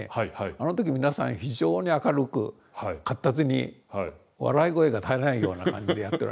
あの時皆さん非常に明るく闊達に笑い声が絶えないような感じでやっておられる。